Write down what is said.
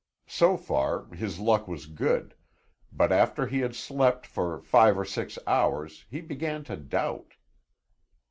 So far, his luck was good, but after he had slept for five or six hours he began to doubt.